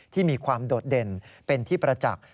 ที่มีความโดดเด่นเป็นที่ประจักษ์